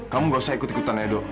kamu gak usah ikut ikutan edo